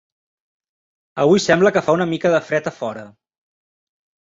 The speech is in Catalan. Avui sembla que fa una mica de fred a fora.